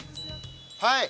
はい。